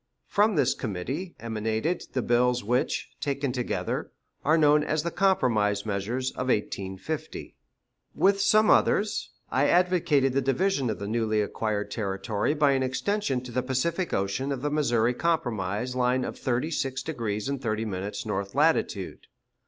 From this committee emanated the bills which, taken together, are known as the compromise measures of 1850. With some others, I advocated the division of the newly acquired territory by an extension to the Pacific Ocean of the Missouri Compromise line of thirty six degrees and thirty minutes north latitude.